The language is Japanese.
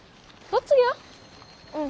うん。